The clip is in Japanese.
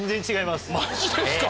マジですか！